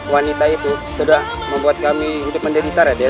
wanita itu sudah membuat kami hidup menderita raden